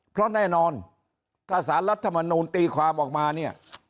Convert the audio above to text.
เพราะแน่นอนถ้าสารรัฐมนูลตีความออกมาเนี่ย